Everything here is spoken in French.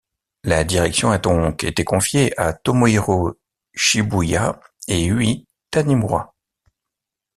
La direction a donc été confiée à Tomohiro Shibuya et Yui Tanimura.